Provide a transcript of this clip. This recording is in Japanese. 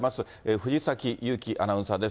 藤崎祐貴アナウンサーです。